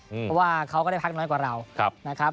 เพราะว่าเขาก็ได้พักน้อยกว่าเรานะครับ